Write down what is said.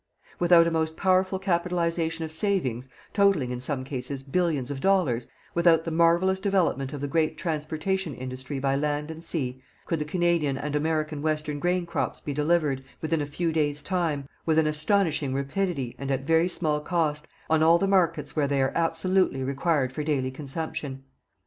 Without a most powerful capitalization of savings totaling, in some cases, billions of dollars without the marvellous development of the great transportation industry by land and sea, could the Canadian and American western grain crops be delivered, within a few days' time, with an astonishing rapidity and at very small cost, on all the markets where they are absolutely required for daily consumption.